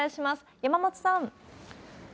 山本さん。